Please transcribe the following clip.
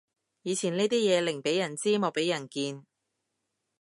以前呢啲嘢寧俾人知莫俾人見